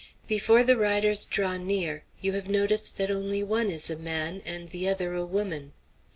Before the riders draw near you have noticed that only one is a man and the other a woman.